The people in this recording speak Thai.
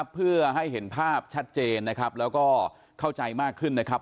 เพื่อให้เห็นภาพชัดเจนนะครับแล้วก็เข้าใจมากขึ้นนะครับ